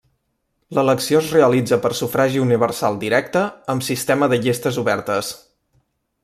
L'elecció es realitza per sufragi universal directe amb sistema de llistes obertes.